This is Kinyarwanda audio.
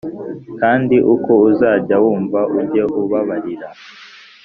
kandi uko uzajya wumva ujye ubababarira